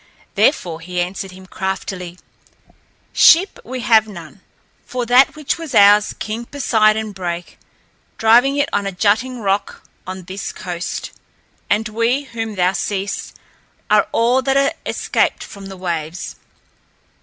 Therefore he answered him craftily: "Ship have we none, for that which was ours King Poseidon brake, driving it on a jutting rock on this coast, and we whom thou seest are all that are escaped from the waves."